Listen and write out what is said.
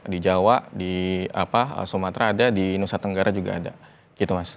di jawa di sumatera ada di nusa tenggara juga ada gitu mas